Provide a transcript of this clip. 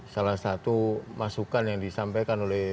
salah satu masukan yang disampaikan oleh